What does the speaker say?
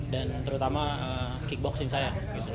dan terutama kickboxing saya